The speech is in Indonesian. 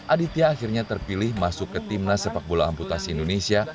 aditya akhirnya terpilih masuk ke timnas sepak bola amputasi indonesia